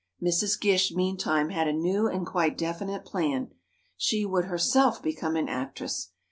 Mrs. Gish, meantime, had a new and quite definite plan. She would herself become an actress!